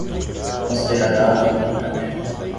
Considerará a viabilidade